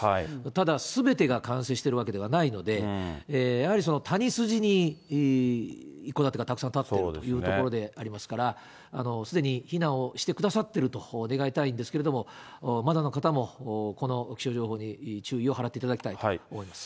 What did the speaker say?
ただ、すべてが完成しているわけではないので、やはり、谷筋に一戸建てがたくさん建っているという状況ですから、すでに避難をしてくださっていると願いたいんですけれども、まだの方もこの気象情報に注意を払っていただきたいと思います。